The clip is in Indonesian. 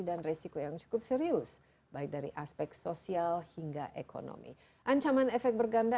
dan resiko yang cukup serius baik dari aspek sosial hingga ekonomi ancaman efek berganda